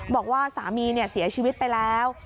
บอกว่าสามีเสียชีวิตไปแล้ว